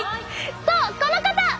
そうこの方！